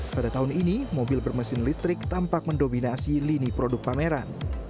pada tahun ini mobil bermesin listrik tampak mendominasi lini produk pameran